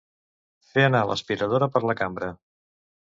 Fer anar l'aspiradora per la cambra.